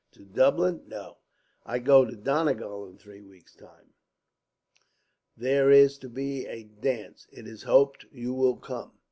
"To Dublin? No; I go to Donegal in three weeks' time. There is to be a dance. It is hoped you will come."